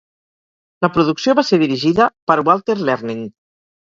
La producció va ser dirigida per Walter Learning.